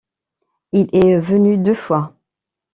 Il est venu deux fois.